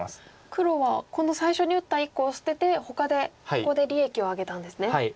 黒はこの最初に打った１個を捨ててほかでここで利益を上げたんですね。